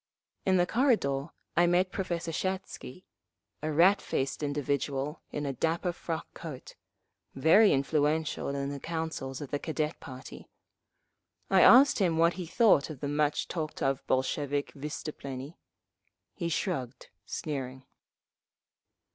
In the corridor I met Professor Shatsky, a rat faced individual in a dapper frock coat, very influential in the councils of the Cadet party. I asked him what he thought of the much talked of Bolshevik vystuplennie. He shrugged, sneering.